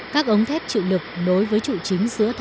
các ống thép chịu lực đối với trụ trị